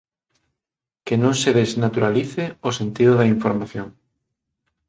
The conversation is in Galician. Que non se desnaturalice o sentido da información.